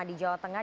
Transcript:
di jawa tengah